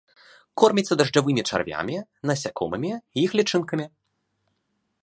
Корміцца дажджавымі чарвямі, насякомымі і іх лічынкамі.